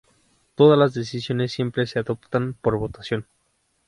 Todas las decisiones siempre se adoptan por votación.